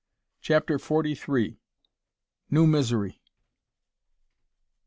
CHAPTER FORTY THREE. NEW MISERY.